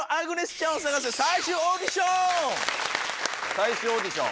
最終オーディション？